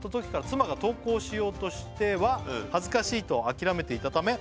「妻が投稿しようとしては恥ずかしいと諦めていたため」